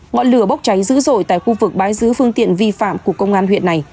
ngọn lửa bốc cháy dữ dội tại khu vực bãi giữ phương tiện vi phạm của công an huyện này